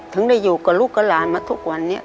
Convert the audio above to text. ถึงได้อยู่กับลูกกับหลานมาทุกวันนี้